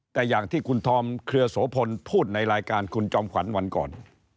แต่อย่างที่คุณธอมเครือโสพลพูดในรายการคุณจอมขวัญวันก่อน